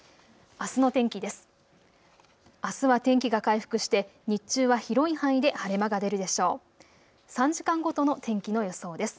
あすの天気です。